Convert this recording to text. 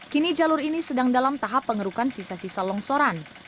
kini jalur ini sedang dalam tahap pengerukan sisa sisa longsoran